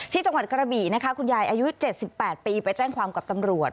จังหวัดกระบี่นะคะคุณยายอายุ๗๘ปีไปแจ้งความกับตำรวจ